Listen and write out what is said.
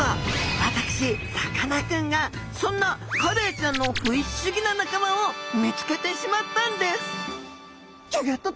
私さかなクンがそんなカレイちゃんのフィッシュギな仲間を見つけてしまったんですギョギョッと！